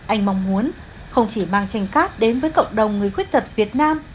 anh mong muốn không chỉ mang tranh cát đến với cộng đồng người khuyết tật việt nam